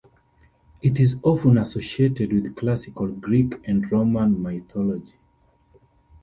It is often associated with classical Greek and Roman mythology.